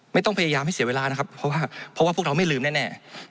ไม่ต้องพยายามให้เสียเวลานะครับเพราะว่าเพราะว่าพวกเราไม่ลืมแน่